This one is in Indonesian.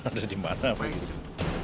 ada di mana apa gitu